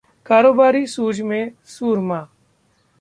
कारोबारी सूझ के सूरमा